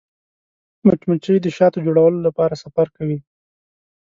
مچمچۍ د شاتو د جوړولو لپاره سفر کوي